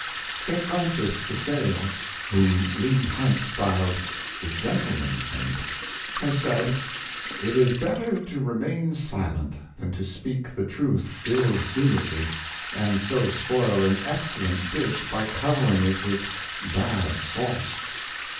St. Francis de Sales, whom Leigh Hunt styled '' the Gentleman Saint," has said: " It is better to remain silent than to speak the truth ill humoredly, and so spoil an excellent dish by covering it with bad sauce."